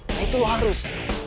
nah itu lo harus